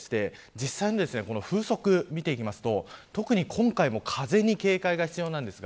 実際の風速を見ていきますと今回も風に警戒が必要です。